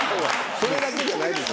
それだけじゃないでしょ。